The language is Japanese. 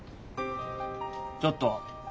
ちょっと！